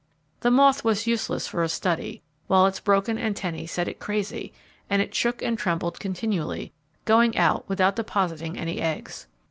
The moth was useless for a study, while its broken antennae set it crazy, and it shook and trembled continually, going out without depositing any eggs.